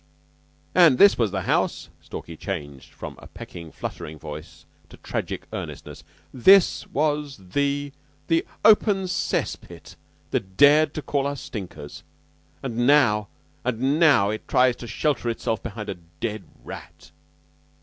"And this was the house," Stalky changed from a pecking, fluttering voice to tragic earnestness. "This was the the open cesspit that dared to call us 'stinkers.' And now and now, it tries to shelter itself behind a dead rat.